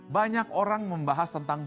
banyak orang membahas tentang